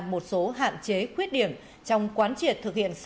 một số hạn chế khuyết điểm trong quán triệt thực hiện